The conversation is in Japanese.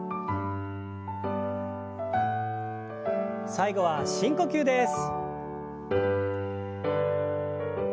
最後は深呼吸です。